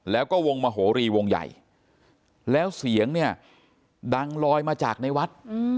แล้วก็วงมโหรีวงใหญ่แล้วเสียงเนี่ยดังลอยมาจากในวัด